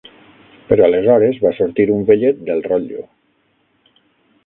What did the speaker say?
Però aleshores va sortir un vellet del rotllo.